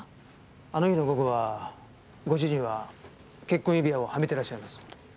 あの日の午後はご主人は結婚指輪をはめてらっしゃいます。